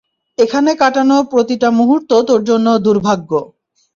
এখানে কাটানো প্রতিটা মুহূর্ত তোর জন্য দুর্ভাগ্য।